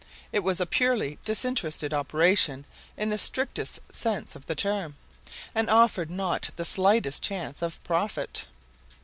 It was a purely disinterested operation in the strictest sense of the term, and offered not the slightest chance of profit.